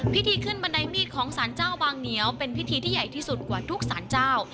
พิธีขึ้นบันไดมีดของสารเจ้าบางเหนียวเป็นพิธีที่ใหญ่ที่สุดกว่าทุกสารเจ้า